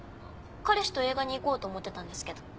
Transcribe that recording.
彼氏と映画に行こうと思ってたんですけど。